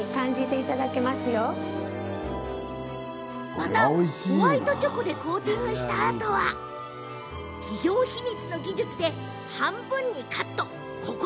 また、ホワイトチョコでコーティングしたあとは企業秘密の技術で半分にカット。